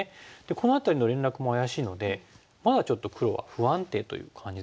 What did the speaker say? この辺りの連絡も怪しいのでまだちょっと黒は不安定という感じですよね。